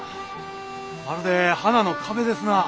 まるで花の壁ですな。